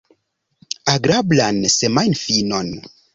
Agrablan semajnfinon!